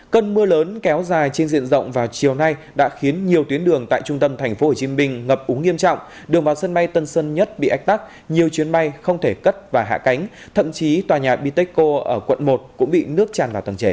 cần mưa lớn kéo dài trên diện rộng vào chiều nay đã khiến nhiều tuyến đường tại trung tâm thành phố hồ chí minh ngập úng nghiêm trọng đường vào sân bay tân sơn nhất bị ách tắc nhiều chuyến bay không thể cất và hạ cánh thậm chí tòa nhà bitexco ở quận một cũng bị nước chàn vào tầng trệt